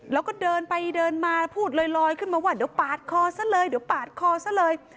แล้วก็เดินไปเดินมาพูดลอยขึ้นมาว่าเดี๋ยวปาดคอซะเลยเดี๋ยวปาดคอซะเลย